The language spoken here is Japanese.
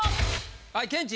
はいケンチ。